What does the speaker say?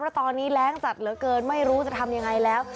เพราะตอนนี้แรงจัดเหลือเกินไม่รู้จะทำยังไงแล้ว